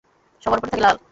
সবার ওপরে থাকে লাল।